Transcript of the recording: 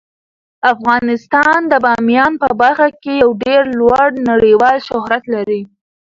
افغانستان د بامیان په برخه کې یو ډیر لوړ نړیوال شهرت لري.